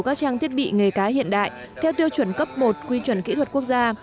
các trang thiết bị nghề cá hiện đại theo tiêu chuẩn cấp một quy chuẩn kỹ thuật quốc gia